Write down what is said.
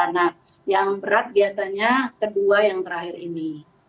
nah yang berat biasanya kedua yang terakhir ini